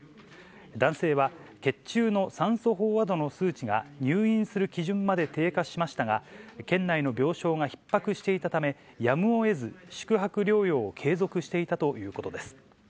男性は、血中の酸素飽和度の数値が入院する基準まで低下しましたが、県内の病床がひっ迫していたため、やむをえず宿泊療養を継続していたということです。